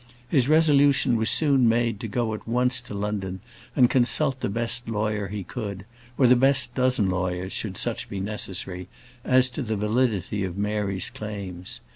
His resolution was soon made to go at once to London and consult the best lawyer he could find or the best dozen lawyers should such be necessary as to the validity of Mary's claims.